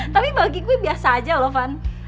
tapi bagi gue biasa aja loh van